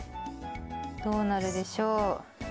どうなるでしょう？